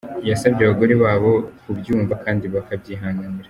Yasabye abagore babo kubyumva kandi bakabyihanganira.